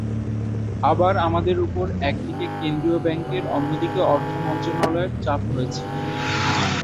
আবার আমাদের ওপর একদিকে কেন্দ্রীয় ব্যাংকের, অন্যদিকে অর্থ মন্ত্রণালয়ের চাপ রয়েছে।